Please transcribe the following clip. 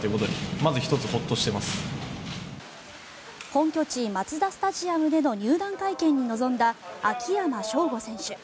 本拠地マツダスタジアムでの入団会見に臨んだ秋山翔吾選手。